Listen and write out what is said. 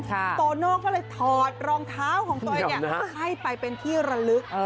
โตโน่ก็เลยถอดรองเท้าของตัวเองให้ไปเป็นที่ระลึก